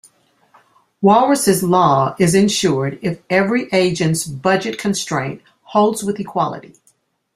Walras's law is ensured if every agent's budget constraint holds with equality.